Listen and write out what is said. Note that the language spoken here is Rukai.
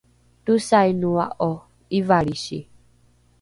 tosainoa’o ’ivalrisi?